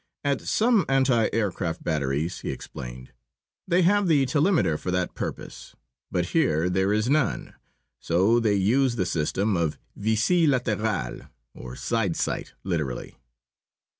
"At some anti aircfaft batteries," he explained, "they have the telemeter for that purpose. But here there is none. So they use the system of visée laterale, or side sight, literally."